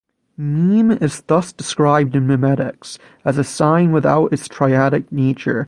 Meme is thus described in memetics as a sign without its triadic nature.